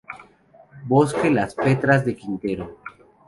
Bosque Las Petras de Quintero